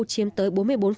chiếm tới bốn mươi bốn